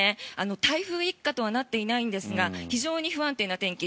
台風一過とはなっていないんですが非常に不安定な天気